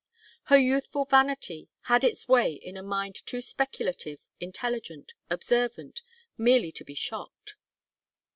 Her youthful vanity had its way in a mind too speculative, intelligent, observant, merely to be shocked.